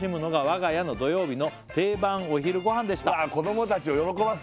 「我が家の土曜日の定番お昼ごはんでした」